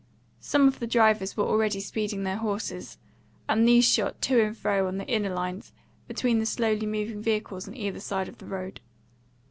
Some of the drivers were already speeding their horses, and these shot to and fro on inner lines, between the slowly moving vehicles on either side of the road.